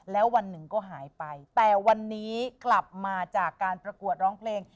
แล้ววันหนึ่งก็หายไปแต่วันนี้กลับมาจากการประกวดร้องเพลง